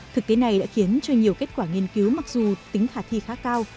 thực tế này đã khiến cho nhiều kết quả nghiên cứu mặc dù tính khả thi khá cao